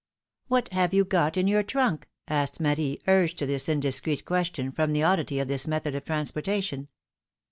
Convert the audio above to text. What have you got in your trunk?" asked Marie, urged to this indiscreet question from the oddity of this method of transportation.